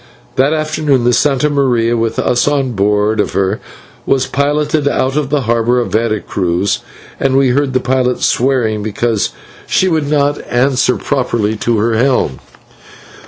That afternoon the /Santa Maria/, with us on board of her, was piloted out of the harbour of Vera Cruz, and we heard the pilot swearing because she would not answer properly to her helm.